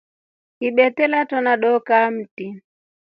Ibete latona dokaa ya mti.